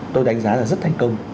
tôi đánh giá là rất thành công